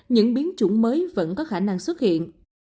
những biến chủng mới vẫn có khả năng xuất hiện